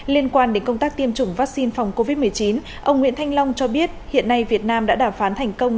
liên quan đến công tác tiêm chủng vaccine phòng covid một mươi chín ông nguyễn thanh long cho biết hiện nay việt nam đã đàm phán thành công